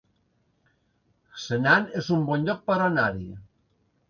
Senan es un bon lloc per anar-hi